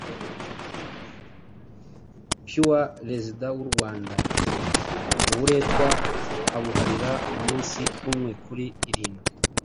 pureRezida w'u Rwanda uburetwa abuharira umunsi umwe kuri irindwi